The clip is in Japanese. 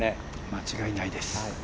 間違いないです。